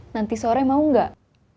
nanti sore mau gak